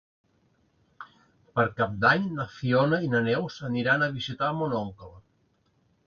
Per Cap d'Any na Fiona i na Neus aniran a visitar mon oncle.